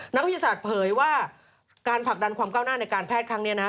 นักวิทยาศาสตร์เผยว่าการผลักดันความก้าวหน้าในการแพทย์ครั้งนี้นะ